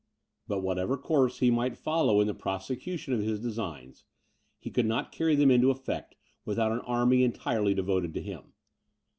But whatever course he might follow in the prosecution of his designs, he could not carry them into effect without an army entirely devoted to him.